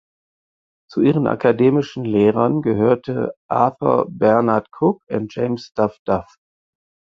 Zu ihren akademischen Lehrern gehörten Arthur Bernard Cook und James Duff Duff.